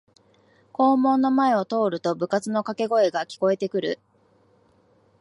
校門の前を通ると部活のかけ声が聞こえてくる